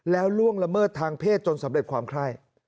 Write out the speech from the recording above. แล้วล่วงละเมิดทางเพศจนสำเร็จความไข้